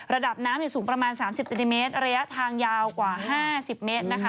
ระดับน้ำสูงประมาณ๓๐เซนติเมตรระยะทางยาวกว่า๕๐เมตรนะคะ